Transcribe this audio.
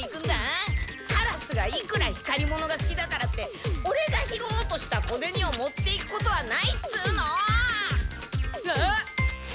カラスがいくら光り物がすきだからってオレが拾おうとした小ゼニを持っていくことはないっつうの！あっ！